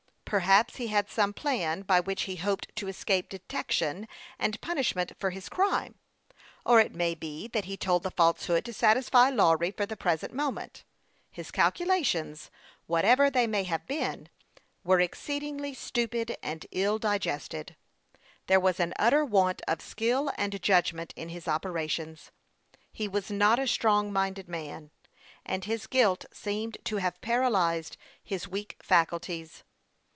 Perhaps he had some plan by which he hoped to escape de tection and punishment for his crime ; or it may be that he told the falsehood to satisfy Lawry for the present moment. His calculations, whatever they may have been, were exceedingly stupid and ill digested. There was an utter want of skill and judgment in his operations. He was not a strong minded man, and his guilt seemed to have paralyzed his weak faculties.